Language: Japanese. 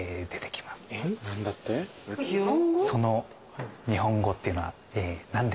その日本語っていうのは何でしょう。